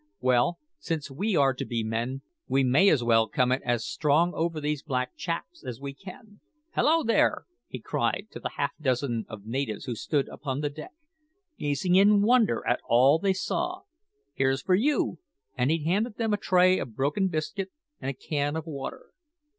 Well, since we are to be men, we may as well come it as strong over these black chaps as we can. Hallo, there!" he cried to the half dozen of natives who stood upon the deck, gazing in wonder at all they saw, "here's for you;" and he handed them a tray of broken biscuit and a can of water.